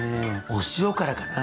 お塩からかな。